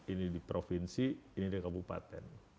ini di provinsi ini di kabupaten